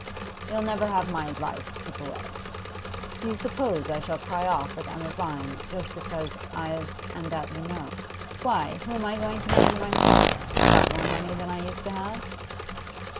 You'll never have my advice to keep away, Do you suppose I shall cry off with Emma Vine just because I've and that you know. Why, who am I going to marry myself? got more money than I used to have?